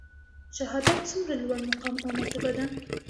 شهادت څومره لوړ مقام او مرتبه ده؟